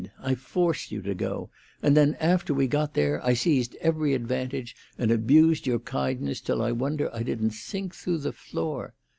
I forced you to go, and then, after we got there, I seized every advantage, and abused your kindness till I wonder I didn't sink through the floor.